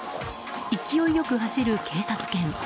勢いよく走る警察犬。